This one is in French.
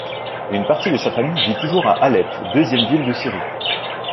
Une partie de sa famille vit toujours à Alep, deuxième ville de Syrie.